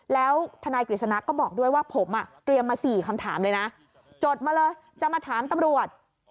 แล้วทนายกฤษณะก็บอกด้วยว่าผมเตรียมมา๔คำถามเลยนะจดมาเลยจะมาถามตำรวจ